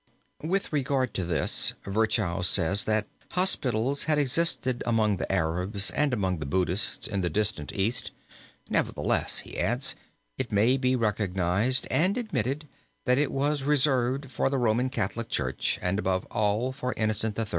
With regard to this Virchow says that hospitals had existed among the Arabs and among the Buddhists in the distant East, "nevertheless," he adds, "it may be recognized and admitted, that it was reserved for the Roman Catholic Church and above all for Innocent III.